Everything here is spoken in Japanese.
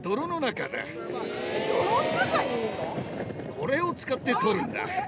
これを使って獲るんだ。